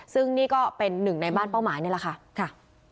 ซึ่งนี่ก็เป็นหนึ่งในบ้านเป้าหมายนี่แหละค่ะ